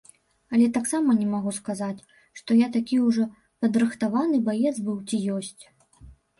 Але таксама не магу сказаць, што я такі ўжо падрыхтаваны баец быў ці ёсць.